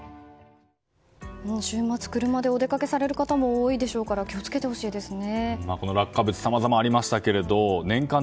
週末、車でお出かけされる方も多いでしょうから気を付けてほしいですね。